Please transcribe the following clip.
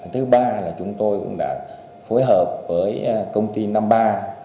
thứ ba là chúng tôi cũng đã phối hợp với công ty năm ba